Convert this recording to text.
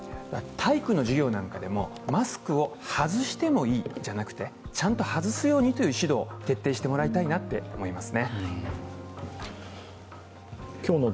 体育の授業などでも、マスクを外してもいいじゃなくて、ちゃんと外すようにという指導を徹底してもらいたいと思います。